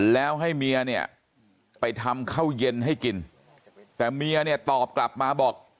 แล้วให้เมียเนี่ยไปทำข้าวเย็นให้กินแต่เมียเนี่ยตอบกลับมาบอก